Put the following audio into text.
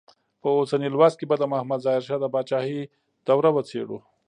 په اوسني لوست کې به د محمد ظاهر شاه د پاچاهۍ دوره وڅېړو.